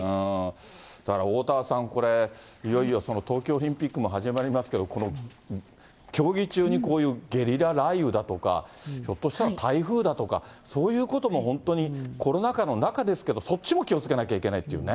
だから、おおたわさん、これ、いよいよ東京オリンピックも始まりますけど、この競技中にこういうゲリラ雷雨だとか、ひょっとしたら台風だとか、そういうことも本当に、コロナ禍の中ですけど、そっちも気をつけなきゃいけないというね。